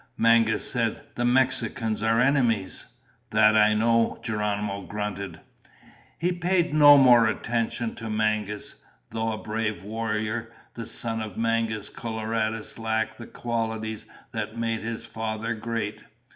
Mangas said, "The Mexicans are enemies." "That I know," Geronimo grunted. He paid no more attention to Mangas. Though a brave warrior, the son of Mangus Coloradus lacked the qualities that made his father great.